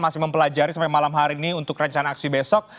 masih mempelajari sampai malam hari ini untuk rencana aksi besok